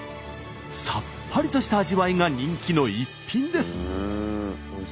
さっぱりとした味わいが人気の逸品です。